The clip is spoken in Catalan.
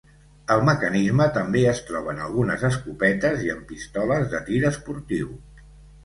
El mecanisme també es troba en algunes escopetes i en pistoles de tir esportiu.